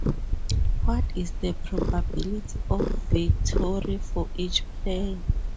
What is the probability of victory for each player?